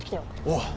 おう。